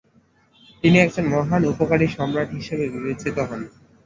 তিনি একজন মহান উপকারী সম্রাট হিসাবে বিবেচিত হন।